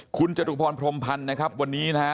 คุณจตุพรพรมพันธ์นะครับวันนี้นะฮะ